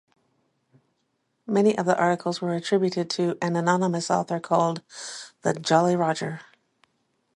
Many of the articles were attributed to an anonymous author called "The Jolly Roger".